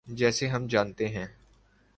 جیسے ہم جانتے ہیں۔